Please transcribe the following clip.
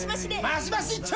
マシマシ一丁！